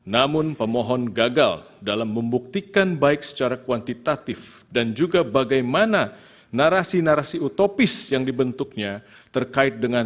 namun pemohon gagal dalam membuktikan baik secara kuantitatif dan juga bagaimana narasi narasi utopi yang terjadi di dalam perhitungan